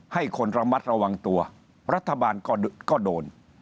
ให้คนระมัดระวังตัวรัฐบาลก็โดน